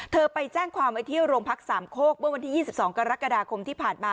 ไปแจ้งความไว้ที่โรงพักสามโคกเมื่อวันที่๒๒กรกฎาคมที่ผ่านมา